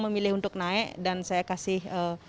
memilih untuk naik dan saya kasih